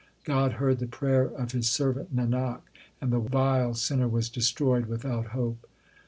God heard the prayer of His servant Nanak, And the vile sinner was destroyed without hope.